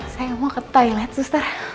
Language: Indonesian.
saya mau ke toilet susah